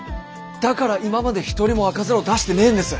だから今まで一人も赤面を出してねぇんです！